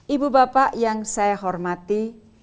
ibu bapak yang saya hormati